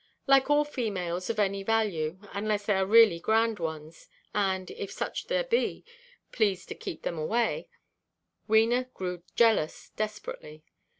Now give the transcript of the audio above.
Like all females of any value—unless they are really grand ones, and, if such there be, please to keep them away—Wena grew jealous desperately.